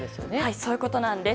そういうことなんです。